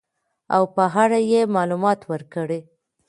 او په اړه يې معلومات ورکړي .